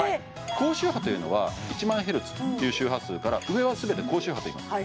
高周波というのは１万ヘルツっていう周波数から上は全て高周波といいます